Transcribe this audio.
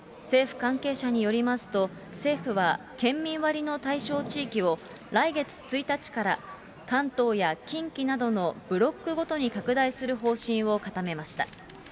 政府関係者によりますと、政府は県民割の対象地域を来月１日から、関東や近畿などのブロックごとに拡大する方針を固めました。